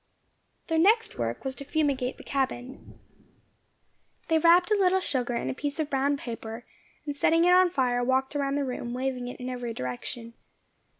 Their next work was to fumigate the cabin. They wrapped a little sugar in a piece of brown paper, and setting it on fire, walked around the room, waving it in every direction.